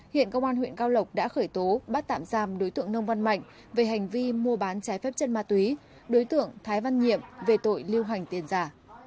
hiện công an huyện cao lộc đã khởi tố bắt tạm giam đối tượng nông văn mạnh về hành vi mua bán trái phép chân ma túy đối tượng thái văn nhiệm về tội lưu hành tiền giả